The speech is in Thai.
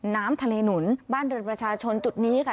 น้ำทะเลหนุนบ้านเรือนประชาชนจุดนี้ค่ะ